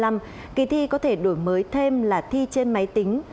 kỳ thi có thể đổi mới thêm là thi trên máy tính